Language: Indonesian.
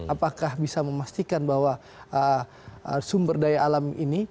apakah bisa memastikan bahwa sumber daya alam ini